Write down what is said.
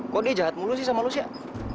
kok dia jahat mulu sih sama lu siak